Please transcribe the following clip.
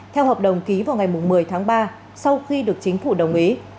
theo hợp đồng ký vào ngày một mươi tháng ba sau khi được chính phủ đồng ý